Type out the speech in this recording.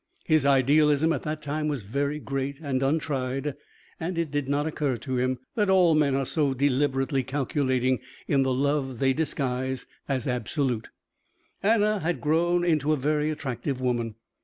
His idealism at that time was very great and untried and it did not occur to him that all men are so deliberately calculating in the love they disguise as absolute. Anna had grown into a very attractive woman.